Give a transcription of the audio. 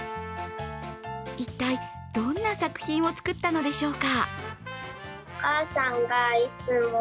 一体どんな作品を作ったのでしょうか。